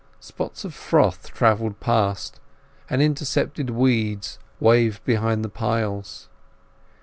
Spots of froth travelled past, and intercepted weeds waved behind the piles.